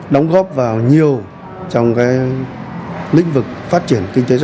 đóng góp vào nhiều trong lĩnh vực phát triển kinh tế xã